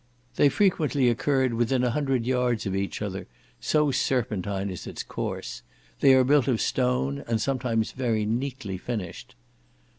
They frequently occurred within a hundred yards of each other, so serpentine is its course; they are built of stone, and sometimes very neatly finished.